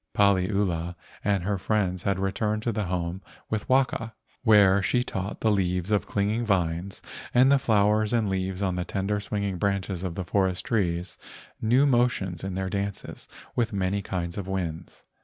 Paliula and her friends had returned to the home with Waka, where she taught the leaves of clinging vines and the flowers and leaves on the tender swinging branches of the forest trees new motions in their dances with the many kinds of winds.